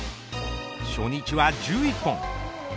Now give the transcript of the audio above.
初日は１１本。